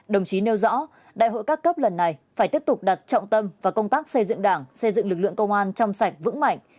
đồng chí nêu rõ đại hội các cấp lần này phải tiếp tục đặt trọng tâm và công tác xây dựng đảng xây dựng lực lượng công an trong sạch vững mạnh